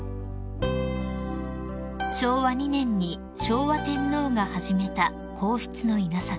［昭和２年に昭和天皇が始めた皇室の稲作］